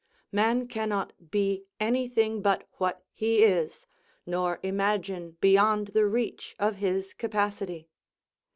Man cannot be any thing but what he is, nor imagine beyond the reach of his capacity.